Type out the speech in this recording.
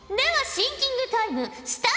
シンキングタイムスタート！